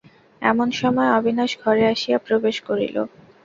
এমন সময় অবিনাশ ঘরে আসিয়া প্রবেশ করিল।